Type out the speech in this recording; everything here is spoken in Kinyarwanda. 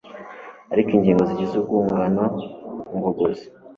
ariko ingingo zigize urwungano ngogozi